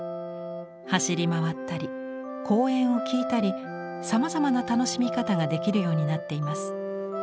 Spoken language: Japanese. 走り回ったり講演を聴いたりさまざまな楽しみ方ができるようになっています。